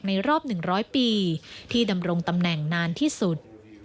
รอบ๑๐๐ปีที่ดำรงตำแหน่งนานที่สุด